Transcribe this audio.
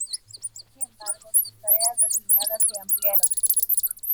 Sin embargo, sus tareas asignadas se ampliaron.